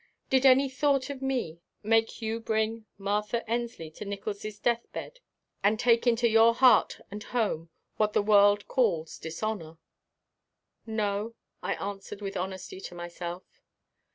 "Did any thought of me make you bring Martha Ensley to Nickols' death bed and take into your heart and home what the world calls dishonor?" "No," I answered with honesty to myself.